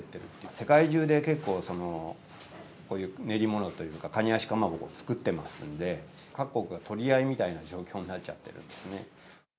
世界中で結構、こういう練り物というか、カニ脚かまぼこ作ってますので、各国が取り合いみたいな状況になっちゃってるんですね。